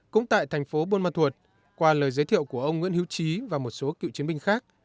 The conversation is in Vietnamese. cũng tại thành phố buôn ma thuột qua lời giới thiệu của ông nguyễn hiễu trí và một số cựu chiến binh khác